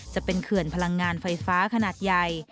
เขื่อนพลังงานไฟฟ้าขนาดใหญ่